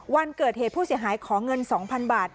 วันเกิดเหตุผู้เสียหายขอเงิน๒๐๐๐บาท